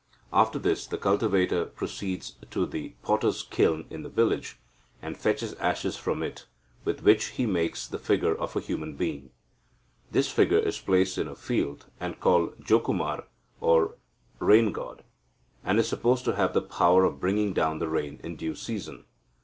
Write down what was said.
After this the cultivator proceeds to the potter's kiln in the village, and fetches ashes from it, with which he makes the figure of a human being. This figure is placed in a field, and called Jokumara or rain god, and is supposed to have the power of bringing down the rain in due season.